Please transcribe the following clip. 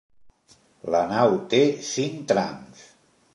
La nau té cinc trams.